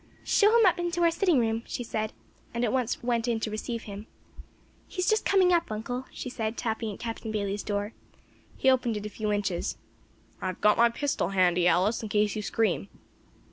"Show him up into our sitting room," she said, and at once went in to receive him. "He's just coming up, uncle," she said, tapping at Captain Bayley's door. He opened it a few inches. "I have got my pistol handy, Alice, in case you scream."